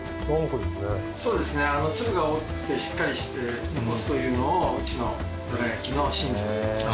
そうですね粒が大きくてしっかりして残すというのをうちのどら焼きの信条です。